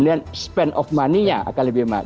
dan spend of money nya akan lebih mahal